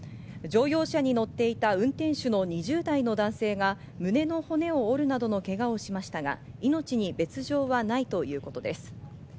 乗用車に乗っていた運転手の２０代の男性が胸の骨を折るなどのけがをしましたが、命に別条はないということです。